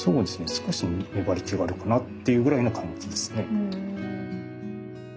少し粘り気があるかなっていうぐらいの感じですね。